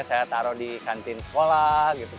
saya taruh di kantin sekolah gitu